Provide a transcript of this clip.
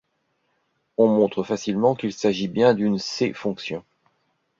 On montre facilement qu'il s'agit bien d'une C-fonction.